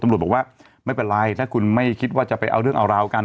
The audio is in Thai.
บอกว่าไม่เป็นไรถ้าคุณไม่คิดว่าจะไปเอาเรื่องเอาราวกัน